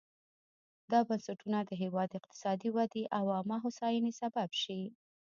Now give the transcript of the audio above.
دا بنسټونه د هېواد اقتصادي ودې او عامه هوساینې سبب شي.